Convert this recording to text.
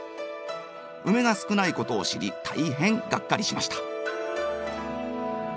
ウメが少ないことを知り大変がっかりしました。